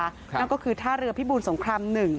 นั่นก็คือท่าเรือพิบูรสงคราม๑